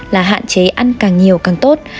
là hạn chế ăn càng nhiều càng tốt